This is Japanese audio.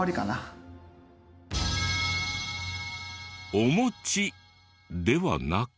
お餅ではなく。